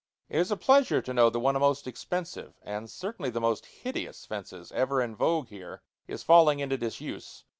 It is a pleasure to know that one of the most expensive, and certainly the most hideous, fences ever in vogue here is falling into disuse.